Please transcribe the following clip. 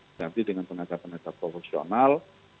diganti dengan penyata penyata profesional